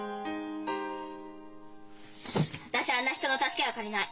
私あんな人の助けは借りない！